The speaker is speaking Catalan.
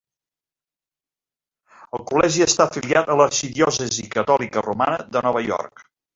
El col·legi està afiliat a l'arxidiòcesi catòlica romana de Nova York.